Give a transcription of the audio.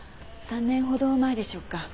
３年ほど前でしょうか。